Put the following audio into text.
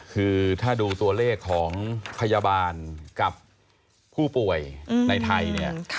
คือถ้าดูตัวเลขของพยาบาลกับผู้ป่วยในไทยเนี่ย